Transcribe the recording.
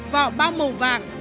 vỏ bao màu vàng